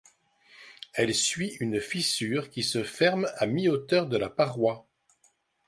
Elle suit une fissure qui se ferme à mi-hauteur de la paroi.